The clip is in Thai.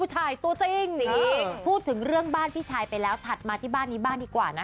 ให้รางวัลไปแล้วค่ะก็ได้เวลาอะไรต่าง